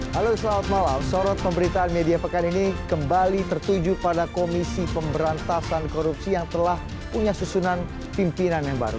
halo selamat malam sorot pemberitaan media pekan ini kembali tertuju pada komisi pemberantasan korupsi yang telah punya susunan pimpinan yang baru